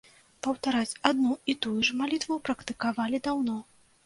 Паўтараць адну і тую ж малітву практыкавалі даўно.